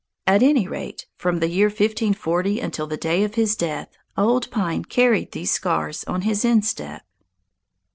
At any rate, from the year 1540 until the day of his death, Old Pine carried these scars on his instep.